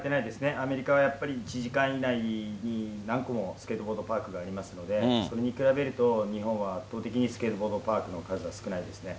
アメリカはやっぱり、１時間以内に何個もスケートボードパークがありますので、それに比べると、日本は圧倒的にスケートボードパークの数は少ないです